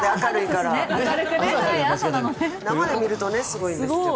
生で見るとすごいんですけど。